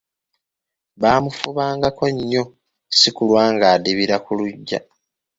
Baamufubangako nnyo sikulwanga adibira ku luggya.